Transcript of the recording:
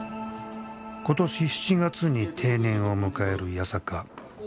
今年７月に定年を迎える八坂。